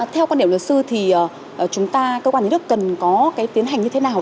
theo quan điểm luật sư thì chúng ta cơ quan nhà nước cần có cái tiến hành như thế nào